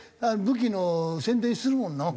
武器の宣伝してるもんな。